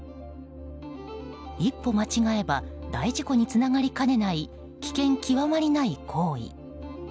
一歩間違えれば大事故につながりかねない危険極まりない行為。